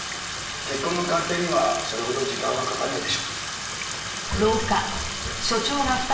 血痕の鑑定にはそれほど時間はかからないでしょう。